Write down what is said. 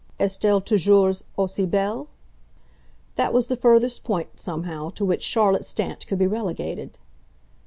"Est elle toujours aussi belle?" That was the furthest point, somehow, to which Charlotte Stant could be relegated.